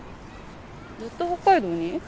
ずっと北海道に？